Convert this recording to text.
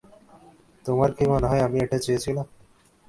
তোমার কি মনে হয় আমি এটা চেয়েছিলাম?